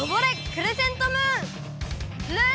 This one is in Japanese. クレセントムーン！